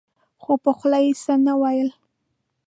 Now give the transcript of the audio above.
خو په خوله يې څه نه ويل.